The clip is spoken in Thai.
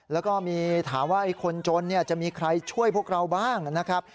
แล้วก็มีถามว่าคนจนจะมีใครช่วยพวกเราบ้างนะครับ